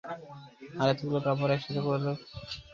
আর এতগুলা রাবার একসাথে পোড়ালে পুরো শহর টের পেয়ে যাবে।